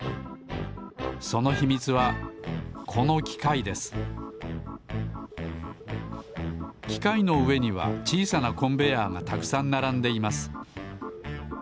そのひみつはこのきかいですきかいのうえにはちいさなコンベヤーがたくさんならんでいます。